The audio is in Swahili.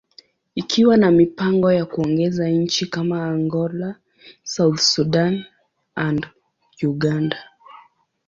ikiwa na mipango ya kuongeza nchi kama Angola, South Sudan, and Uganda.